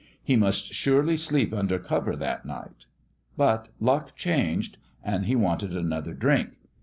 He must surely sleep under cover that night. But luck changed and he wanted another drink.